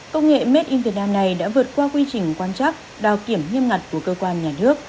công nghệ made in vietnam này đã vượt qua quy trình quan chắc đào kiểm nghiêm ngặt của cơ quan nhà nước